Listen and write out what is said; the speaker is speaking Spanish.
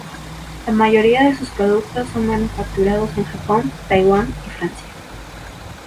La mayoría de sus productos son manufacturados en Japón, Taiwán y Francia.